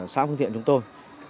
xã phương thiện chúng tôi